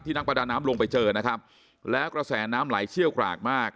นักประดาน้ำลงไปเจอนะครับแล้วกระแสน้ำไหลเชี่ยวกรากมาก